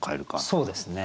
そうですね。